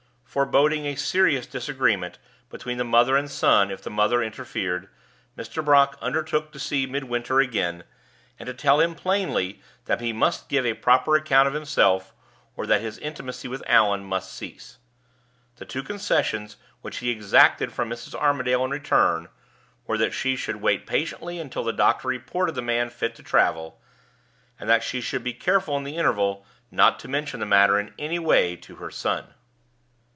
Foreboding a serious disagreement between the mother and son if the mother interfered, Mr. Brock undertook to see Midwinter again, and to tell him plainly that he must give a proper account of himself, or that his intimacy with Allan must cease. The two concessions which he exacted from Mrs. Armadale in return were that she should wait patiently until the doctor reported the man fit to travel, and that she should be careful in the interval not to mention the matter in any way to her son.